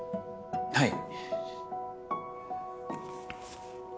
はい。